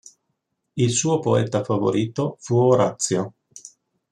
Il suo poeta favorito fu Orazio.